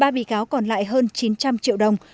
một mươi ba bị cáo còn lại hơn chín trăm linh triệu đồng